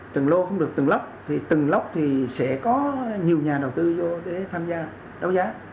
từng lô không được từng lớp thì từng lớp thì sẽ có nhiều nhà đầu tư vô để tham gia đấu giá